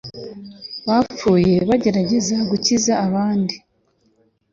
bapfuye bagerageza gukiza abandi